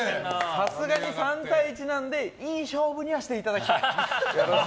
さすがに３対１なのでいい勝負にはしていただきたい。